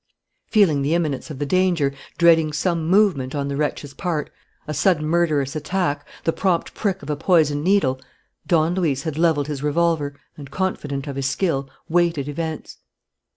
Feeling the imminence of the danger, dreading some movement on the wretch's part, a sudden murderous attack, the prompt prick of a poisoned needle, Don Luis had levelled his revolver and, confident of his skill, waited events.